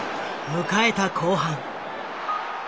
迎えた後半。